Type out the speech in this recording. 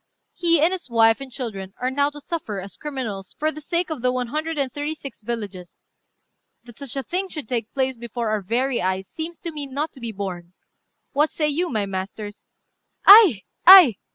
He and his wife and children are now to suffer as criminals for the sake of the one hundred and thirty six villages. That such a thing should take place before our very eyes seems to me not to be borne. What say you, my masters?" "Ay! ay!